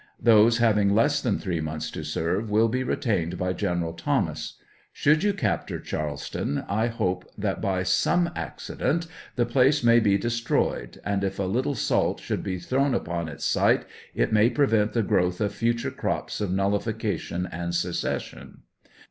Those having less than three months to serve, will be retained by General Thomas. Should you capture Charleston, I hope that by some accident the place may be destroyed ; and if a little salt should be thrown upon its site, it may pre vent the growth of future crops of nullification and secession."